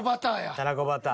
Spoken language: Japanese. たらこバター。